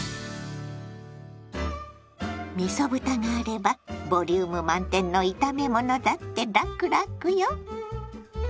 みそ豚があればボリューム満点の炒め物だってラクラクよ。